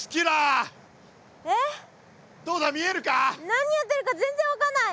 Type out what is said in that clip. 何やってるか全然分かんない！